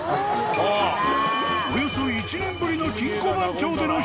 ［およそ１年ぶりの金庫番長での出演］